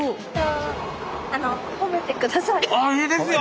ああいいですよ！